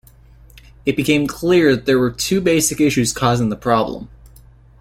It became clear that there were two basic issues causing the problem.